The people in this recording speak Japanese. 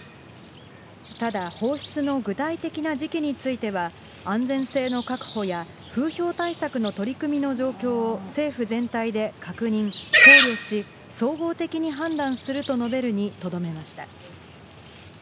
ただ、放出の具体的な時期については、安全性の確保や風評対策の取り組みの状況を政府全体で確認、考慮し、総合的に判断すると述べるにとどめました。